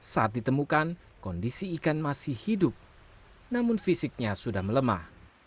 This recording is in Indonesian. saat ditemukan kondisi ikan masih hidup namun fisiknya sudah melemah